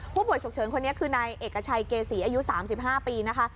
ผู้ป่วยฉุกเฉินคนนี้คือนายเอกชัยเกษีอายุ๓๕ปีนะคะ